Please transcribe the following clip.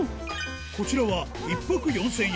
こちらは１泊４０００円